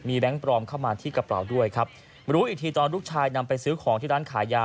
แก๊งปลอมเข้ามาที่กระเป๋าด้วยครับรู้อีกทีตอนลูกชายนำไปซื้อของที่ร้านขายยา